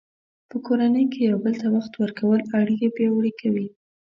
په کورنۍ کې یو بل ته وخت ورکول اړیکې پیاوړې کوي.